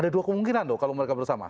ada dua kemungkinan loh kalau mereka bersama